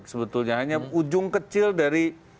sebetulnya hanya ujung kecil dari